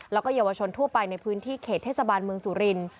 แล้วก็เยาวชนทั่วไปในพื้นที่เขตเทศบาลเมืองสุรินทร์